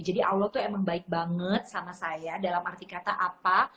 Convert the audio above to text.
jadi allah tuh emang baik banget sama saya dalam arti kata apa